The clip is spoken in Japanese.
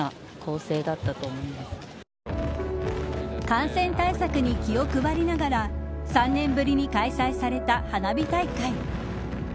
感染対策に気を配りながら３年ぶりに開催された花火大会。